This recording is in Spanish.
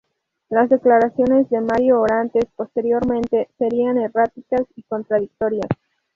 Las declaraciones de Mario Orantes, posteriormente, serían erráticas y contradictorias.